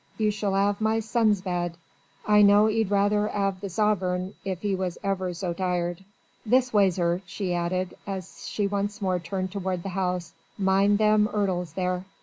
"You shall 'ave my son's bed. I know 'e'd rather 'ave the zovereign if 'e was ever zo tired. This way, zir," she added, as she once more turned toward the house, "mind them 'urdles there."